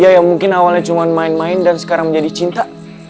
ya yang mungkin awalnya cuma main main dan sekarang menjadi cinta